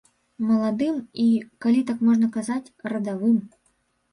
Маладым і, калі так можна казаць, радавым.